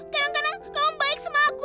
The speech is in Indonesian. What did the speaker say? kadang kadang kamu baik sama aku